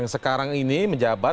sekarang ini menjabat